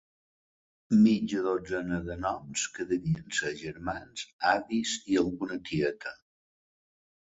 Mitja dotzena de noms, que devien ser germans, avis i alguna tieta.